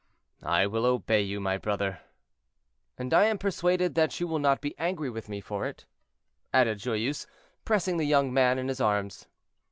"I will obey you, my brother." "And I am persuaded that you will not be angry with me for it," added Joyeuse, pressing the young man in his arms.